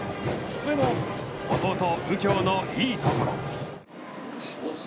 それも、弟、右京のいいところ。